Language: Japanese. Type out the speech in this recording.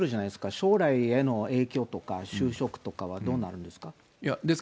将来への影響とか、就職とかはどうなるんですか？